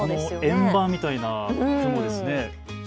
円盤みたいな雲ですね。